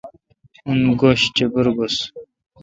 اون گش چیپر گوس۔